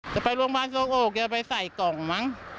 จะไปร่วงบ้านโซโกะโกะอย่าไปใส่กล่องมั้ง